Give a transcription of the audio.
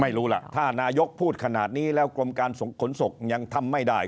ไม่รู้ล่ะถ้านายกพูดขนาดนี้แล้วกรมการขนส่งยังทำไม่ได้